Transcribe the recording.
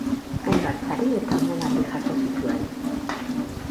Hainbat sari eta omenaldi jaso zituen.